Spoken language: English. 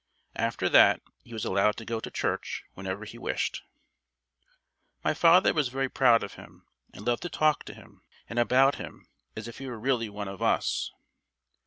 After that he was allowed to go to church whenever he wished. My father was very fond of him, and loved to talk to him and about him as if he were really one of us.